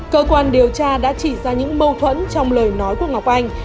cơ quan điều tra đã chỉ ra những mâu thuẫn trong lời nói của ngọc anh